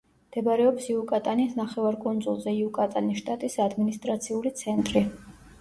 მდებარეობს იუკატანის ნახევარკუნძულზე იუკატანის შტატის ადმინისტრაციული ცენტრი.